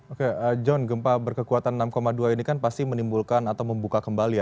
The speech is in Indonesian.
oke john gempa berkekuatan enam dua ini kan pasti menimbulkan atau membuka kembali ya